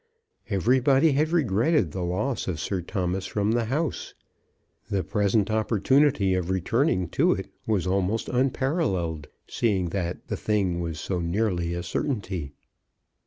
Everybody had regretted the loss of Sir Thomas from the House. The present opportunity of returning to it was almost unparalleled, seeing that thing was so nearly a certainty.